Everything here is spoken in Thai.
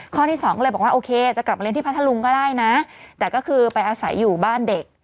ที่สองก็เลยบอกว่าโอเคจะกลับมาเล่นที่พัทธรุงก็ได้นะแต่ก็คือไปอาศัยอยู่บ้านเด็ก